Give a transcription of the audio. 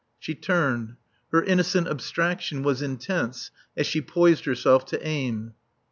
She turned. Her innocent abstraction was intense as she poised herself to aim.